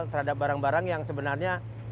terhadap barang barang yang sebenarnya